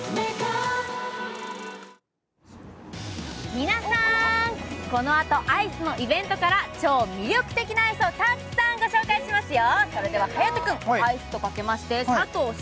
みなさーん、このあとアイスのイベントから超魅力的な商品をたくさんご紹介しますよ。